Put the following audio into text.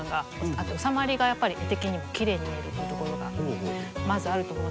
あと収まりがやっぱり絵的にもきれいに見えるっていうところがまずあると思うんですけど。